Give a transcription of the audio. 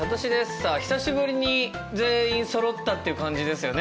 さあ久しぶりに全員そろったっていう感じですよね。